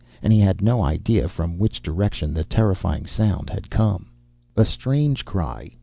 And he had no idea from which direction the terrifying sound had come. A strange cry.